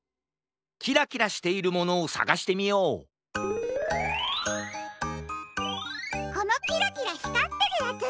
キラキラしているものをさがしてみようこのキラキラひかってるヤツだ！